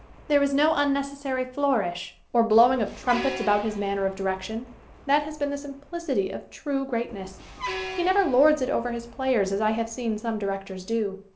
There is no unnecessary flourish, or blowing of trum pets, about his manner of direction. That has the simplicity of true greatness. He never lords it over his players as I have seen some directors do.